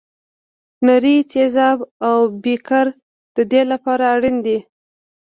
نري تیزاب او بیکر د دې لپاره اړین دي.